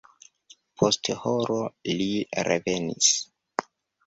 Post horo li revenis.